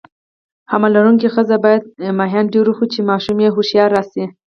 حمل لرونکي خزه باید کبان ډیر وخوري، چی ماشوم یی هوښیار راشي.